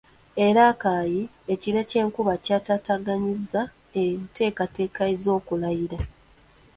E Rakai ekire ky’enkuba kyataataaganyizza enteekateeka z’okulayira.